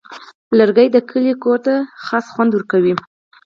لرګی د کلي کور ته ځانګړی خوند ورکوي.